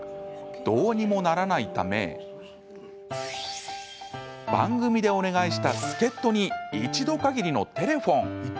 どうにもならないため番組でお願いした助っとに一度かぎりのテレフォン。